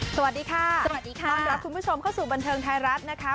สวัสดีค่ะสวัสดีค่ะต้อนรับคุณผู้ชมเข้าสู่บันเทิงไทยรัฐนะคะ